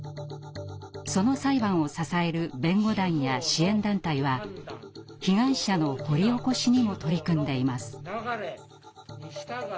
その裁判を支える弁護団や支援団体は被害者の掘り起こしにも取り組んでいます。